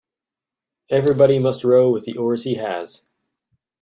Everybody must row with the oars he has.